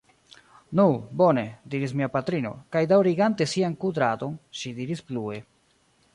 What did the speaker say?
Nu, bone, diris mia patrino, kaj daŭrigante sian kudradon, ŝi diris plue: